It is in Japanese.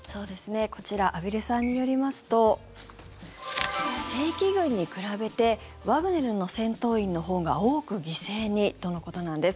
こちら畔蒜さんによりますと正規軍に比べてワグネルの戦闘員のほうが多く犠牲にとのことなんです。